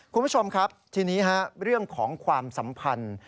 คุณผู้ชมครับทีนี้เรื่องของความสัมพันธ์